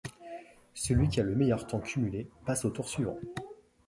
Celui qui a le meilleur temps cumulé passe au tour suivant.